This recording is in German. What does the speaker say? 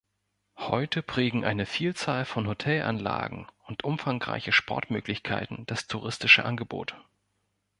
Heute prägen eine Vielzahl von Hotelanlagen und umfangreiche Sportmöglichkeiten das touristische Angebot.